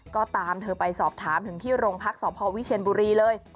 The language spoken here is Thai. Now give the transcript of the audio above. ก็ตามเธอไปสอบถามถึงที่โรงพักษพวิเชียนบุรีเลย